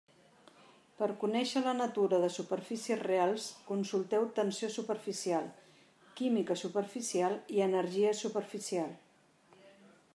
Per conèixer la natura de superfícies reals consulteu tensió superficial, química superficial i energia superficial.